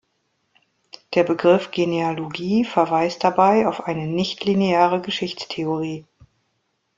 Der Begriff Genealogie verweist dabei auf eine nicht-lineare Geschichtstheorie.